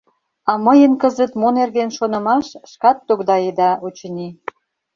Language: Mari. А мыйын кызыт мо нерген шонымаш, шкат тогдаеда, очыни.